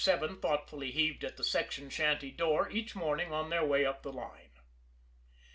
7 thoughtfully heaved at the section shanty door each morning on their way up the line.